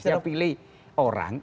dia pilih orang